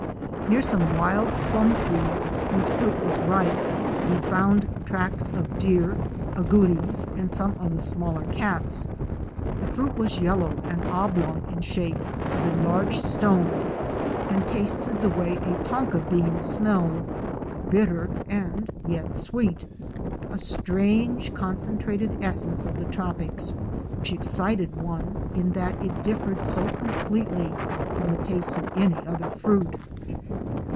Near some wild plum trees whose fruit was ripe, we found tracks of deer, agoutis and some of the smaller cats. The fruit was yellow and oblong in shape with a large stone, and tasted the way a tonca bean smells — bitter and yet sweet — a strange concentrated essence of the tropics which excited one, in that it differed so completely from the taste of any other fruit.